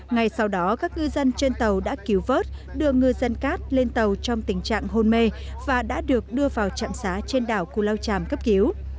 ngay sau đó các ngư dân trên tàu đã cứu vớt đưa ngư dân cát lên tàu trong tình trạng hôn mê và đã được đưa vào trạm xá trên đảo cù lao tràm cấp cứu